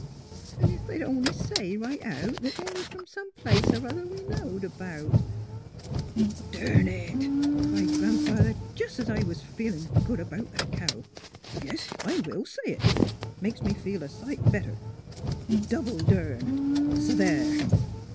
"*' An' ef they'd only say, right out, they was f'om some place er other we knowed 'bout "" Durn it! " cried Grandfather. '^— Jes' 's I was feeling good 'bout the cow. — Yes ! I will say it ! Makes me feel a sight better. Double durn ! S' there!"